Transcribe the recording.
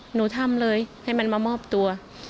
หนูทำเลยให้มันมามอบตัว